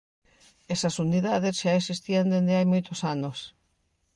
Esas Unidades xa existían dende hai moitos anos.